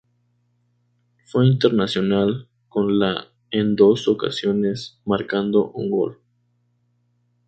Fue internacional con la en dos ocasiones, marcando un gol.